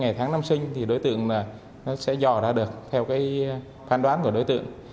mẹ tháng năm sinh thì đối tượng nó sẽ dò ra được theo cái phán đoán của đối tượng